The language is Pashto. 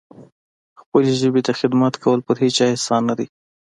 خپلې ژبې ته خدمت کول پر هیچا احسان نه دی.